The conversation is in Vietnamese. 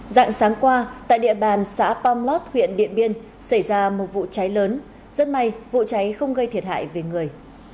dạng sáng qua tại địa bàn xã pomlot huyện điện biên xảy ra một vụ cháy lớn rất may vụ cháy không gây thiệt hại về người